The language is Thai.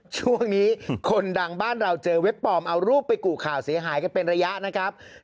ช่วงนี้คนดังบ้านเราเจอเว็บปลอมเอารูปไปกู่ข่าวเสียหายกันเป็นระยะนะครับ